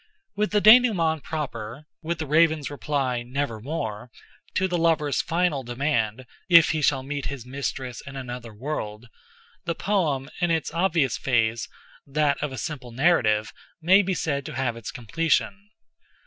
With the dénouement proper—with the Raven's reply, "Nevermore," to the lover's final demand if he shall meet his mistress in another world—the poem, in its obvious phase, that of a simple narrative, may be said to have its completion.